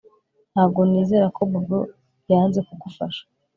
Ntabwo nizera ko Bobo yanze kugufasha